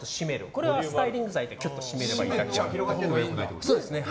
これはスタイリング剤でキュッと締めれば。